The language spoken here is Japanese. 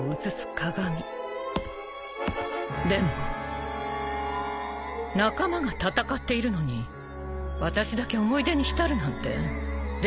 でも仲間が戦っているのに私だけ思い出に浸るなんてできないわ。